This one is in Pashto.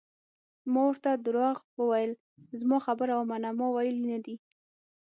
ما ورته درواغ وویل: زما خبره ومنه، ما ویلي نه دي.